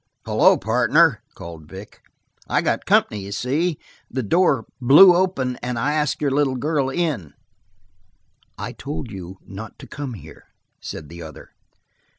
"Hello, partner," called Vic. "I got company, you see. The door blew open and I asked your little girl in." "I told you not to come here," said the other.